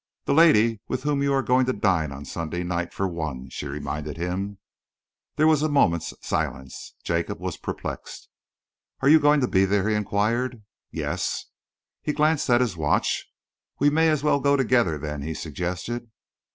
"The lady with whom you are going to dine on Sunday night, for one," she reminded him. There was a moment's silence. Jacob was perplexed. "Are you going to be there?" he enquired. "Yes!" He glanced at his watch. "We may as well go together, then," he suggested.